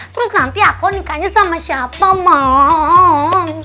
terus nanti aku nikahnya sama siapa mau